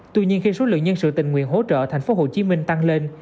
tuy nhiên khi số lượng nhân sự tình nguyện hỗ trợ tp hcm tăng lên